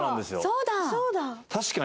そうだ！